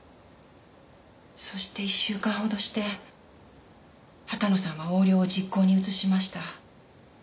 そして１週間ほどして畑野さんは横領を実行に移しました。